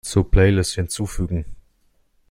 Zur Playlist hinzufügen.